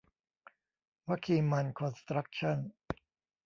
วะคีมันคอนสครัคชั่น